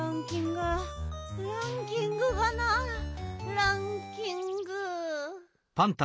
ランキングがなランキング。